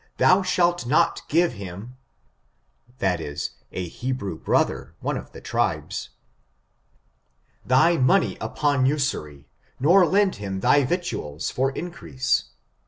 Thou shalt not give him [that is, a Hebrew brother j one of the tribes] thy money upon usury, nor lend him thy victuals for increase.